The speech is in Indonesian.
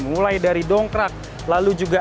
mulai dari dongkrak lalu juga